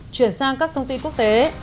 chuyển sang các thông tin quốc tế